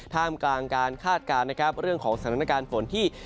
ท่ามกลางการคาดการณ์นะครับเรื่องของสถานการณ์ฝนที่